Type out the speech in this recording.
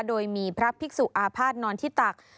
โดยมีพระภิกษุอาภาษณ์นอนที่ตัก